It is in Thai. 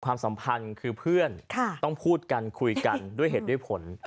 ความสัมพันธ์คือเพื่อนต้องพูดกันคุยกันด้วยเหตุด้วยผล